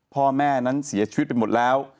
พ่อแม่นั้นเสียชีวิตไปหมดแล้ว